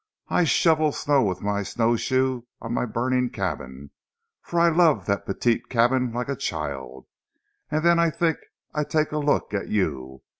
I shovel snow wit' a snow shoe on my burning cabin, for I love dat petite cabin like a child, an' den I tink I take a look at you.